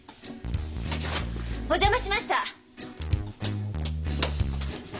お邪魔しました！